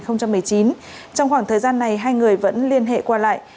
trong khoảng thời gian này hai người vẫn liên hệ qua lại